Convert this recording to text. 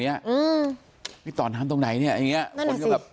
เนี้ยอืมนี่ต่อน้ำตรงไหนเนี้ยอย่างเงี้ยนั่นแหละสิ